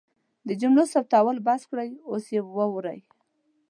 د جملو ثبتول بس کړئ اوس یې واورئ